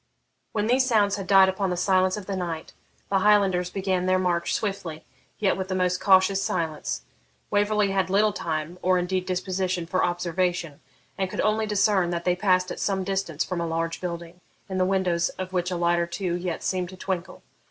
When these sounds had died upon the silence of the night, the Highlanders began their march swiftly, yet with the most cautious silence. Waverley had little time, or indeed disposition, for observation, and could only discern that they passed at some distance from a large building, in the windows of which a light or two yet seemed to twinkle.